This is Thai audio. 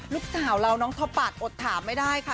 ลูกสาวเราน้องท็อปัดอดถามไม่ได้ค่ะ